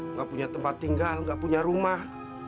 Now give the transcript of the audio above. nggak punya tempat tinggal nggak punya rumah